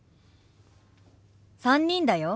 ３人だよ。